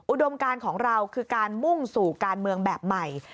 อุดมการของเราคือการมุ่งสู่การเมืองแบบใหม่